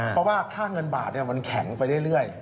เพราะว่าค่าเงินบาทมันแข็งไปเรื่อย